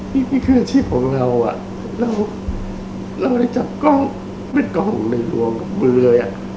นี่เป็นพยายามของเราเรากันไปทำกล้องในลวงเครือ